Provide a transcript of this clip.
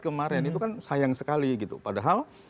kemarin itu kan sayang sekali gitu padahal